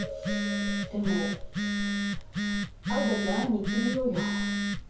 ］でも会うだけ会いに行ってみようよ。